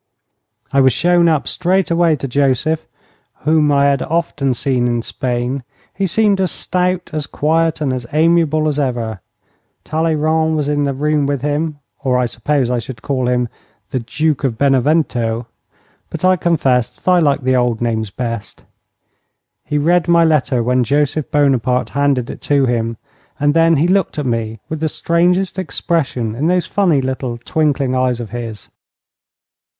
I was shown up straight away to Joseph, whom I had often seen in Spain. He seemed as stout, as quiet, and as amiable as ever. Talleyrand was in the room with him, or I suppose I should call him the Duke of Benevento, but I confess that I like old names best. He read my letter when Joseph Buonaparte handed it to him, and then he looked at me with the strangest expression in those funny little, twinkling eyes of his.